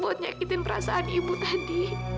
untuk menyakiti perasaan ibu tadi